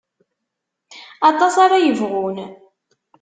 Aṭas ara yebɣun.